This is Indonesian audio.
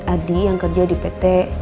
adi yang kerja di pt